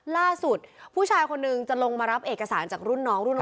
ล่าสุดผู้ชายคนนึงจะลงมารับเอกสารจากรุ่นน้อง